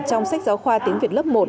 trong sách giáo khoa tiếng việt lớp một